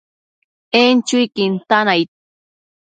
En chuiquin tan aid